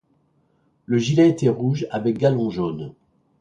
Le gilet était rouge avec galons jaunes.